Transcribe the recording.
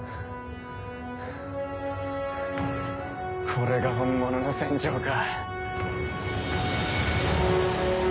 これが本物の戦場か。